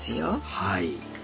はい。